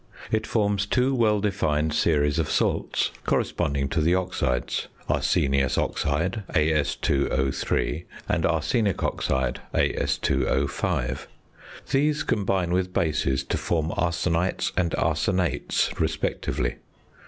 It forms two well defined series of salts, corresponding to the oxides: arsenious oxide (As_O_), and arsenic oxide (As_O_). These combine with bases to form arsenites and arsenates respectively.